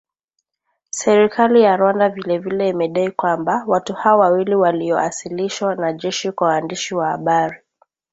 Serikali ya Rwanda vile vile imedai kwamba watu hao wawili walioasilishwa na jeshi kwa waandishi wa habari